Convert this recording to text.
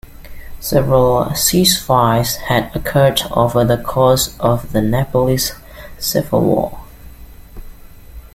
Several ceasefires had occurred over the course of the Nepalese civil war.